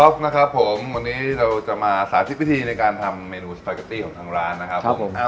วันนี้เรามาสาธิตวิธีในการทำเมนูซ์พราเกอตตี้ของร้าน